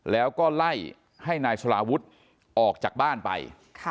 แล้วก็ไล่ให้นายสลาวุฒิออกจากบ้านไป